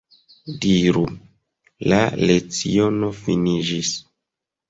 Diru: La leciono finiĝis.